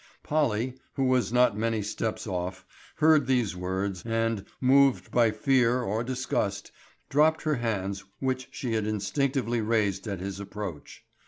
Polly, who was not many steps off, heard these words and, moved by fear or disgust, dropped her hands which she had instinctively raised at his approach.